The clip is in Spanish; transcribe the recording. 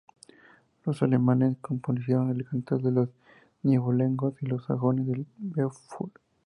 Los alemanes compusieron el "Cantar de los Nibelungos", y los sajones el "Beowulf".